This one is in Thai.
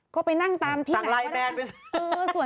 ก็ไปนั่งตามที่สั่งไลน์แมนไปซื้อ